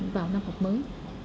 vào năm học mới